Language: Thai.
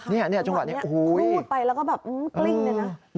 นี่จุงหวัดนี้โอ้โฮอย่างนี้คลูดไปแล้วก็กลิ้งเลยนะโอ้โฮ